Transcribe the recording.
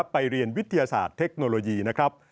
ไปเรียนวิทยาศาสตร์เทคโนโลยีนะครับ